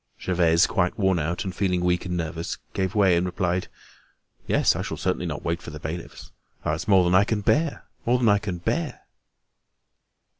Gervaise, quite worn out and feeling weak and nervous, gave way and replied: "Yes, I shall certainly not wait for the bailiffs. Ah! it's more than I can bear—more than I can bear."